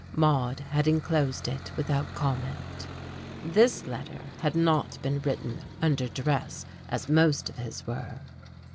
Maude had enclosed it without comment. This letter had not been written under duress, as most of his were.